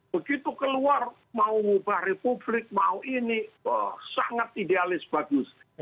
begitu keluar mau ngubah republik mau ini sangat idealis bagus